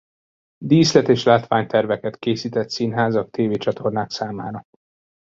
Díszlet és látványterveket készített színházak tv-csatornák számára.